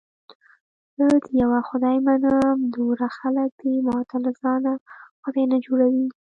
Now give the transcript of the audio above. زه د یوه خدای منم، نور خلک دې ماته له ځانه خدای نه جوړي.